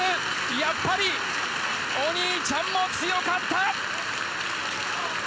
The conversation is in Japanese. やっぱりお兄ちゃんも強かった！